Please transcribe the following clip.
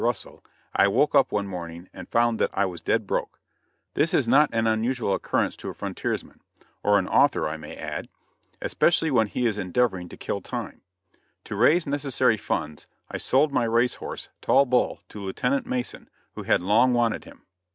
Russell I woke up one morning and found that I was dead broke; this is not an unusual occurrence to a frontiersman, or an author I may add, especially when he is endeavoring to kill time to raise necessary funds I sold my race horse Tall Bull to Lieutenant Mason, who had long wanted him.